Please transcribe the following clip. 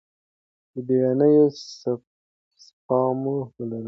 بیړنۍ سپما ولرئ.